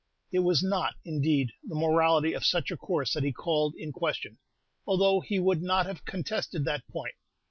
It was not, indeed, the morality of such a course that he called in question, although he would not have contested that point.